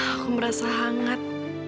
aku merasa hangat